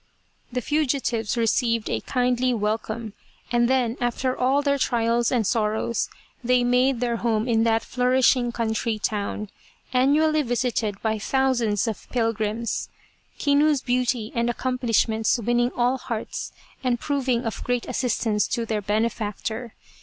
The fugitives received a kindly welcome, and then after all their trials and sorrows, they made their home in that flourishing country town, annually visited by thousands of pilgrims, Kinu's beauty and accom plishments winning all hearts and proving of great assistance to their benefactor.